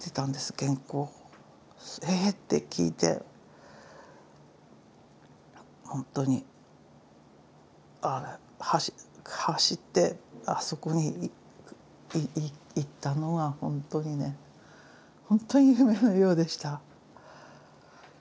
ええって聞いてほんとに走ってあそこに行ったのはほんとにねほんとに夢のようでした。